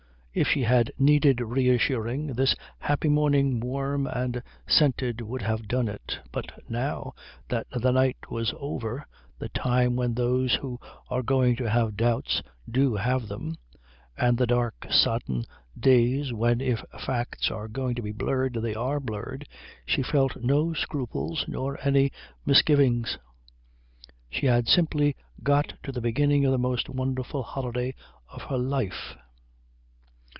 If she had needed reassuring, this happy morning warm and scented would have done it; but now that the night was over, a time when those who are going to have doubts do have them, and the dark sodden days when if facts are going to be blurred they are blurred, she felt no scruples nor any misgivings she had simply got to the beginning of the most wonderful holiday of her life.